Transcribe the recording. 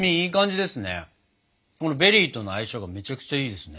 このベリーとの相性がめちゃくちゃいいですね。